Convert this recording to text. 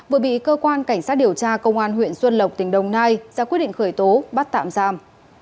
vừa bị cơ quan cảnh sát điều tra công an huyện xuân lộc tỉnh đồng nai ra quyết định khởi tố bắt tạm giam